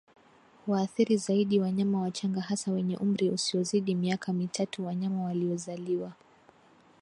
Huathiri zaidi wanyama wachanga hasa wenye umri usiozidi miaka mitatu wanyama waliozaliwa